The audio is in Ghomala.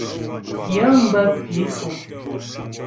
Yəŋ bə pǐ Fò.